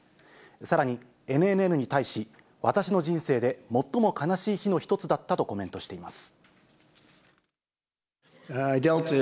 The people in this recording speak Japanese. さらにＮＮＮに対し、私の人生で最も悲しい日の一つだったとコメントしています。